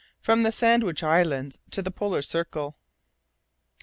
FROM THE SANDWICH ISLANDS TO THE POLAR CIRCLE.